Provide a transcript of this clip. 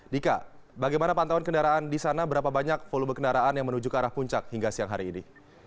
dika bagaimana pantauan kendaraan di sana berapa banyak volume kendaraan yang menuju ke arah puncak hingga siang hari ini